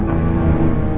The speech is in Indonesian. aku akan mencari cherry